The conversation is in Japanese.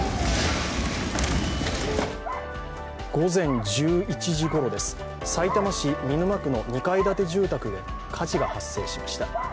午前１１時ごろです、さいたま市見沼区の２階建て住宅で火事が発生しました。